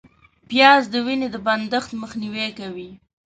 پیاز د وینې د بندښت مخنیوی کوي